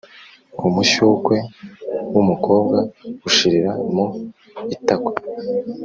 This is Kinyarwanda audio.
umushyukwe w'umukobwa ushirira mu itako.